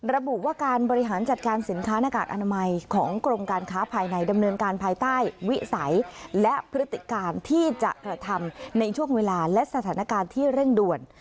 ระบุว่าการบริหารจัดการสินค้าหน้ากากอนามัยของกรมการค้าภายในดำเนินการภายใต้วิสัยและพฤติการที่จะกระทำในช่วงเวลาและสถานการณ์ที่เร่งด่วน